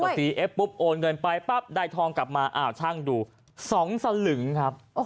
ซีเอฟปุ๊บโอนเงินไปปั๊บได้ทองกลับมาอ้าวช่างดู๒สลึงครับ